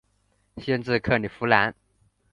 县治克里夫兰。